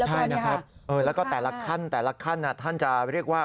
ใช่นะครับแล้วก็แต่ละขั้นท่านจะเรียกว่า